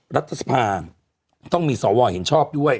รัฐสภาต้องมีสวเห็นชอบด้วย